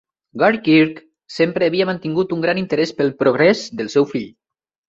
Gary Kirk sempre havia mantingut un gran interès pel progrés del seu fill.